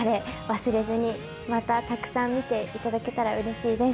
忘れずに、またたくさん見ていただけたらうれしいです。